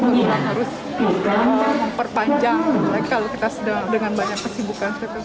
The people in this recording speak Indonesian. kita harus perpanjang mereka kalau kita sedang dengan banyak kesibukan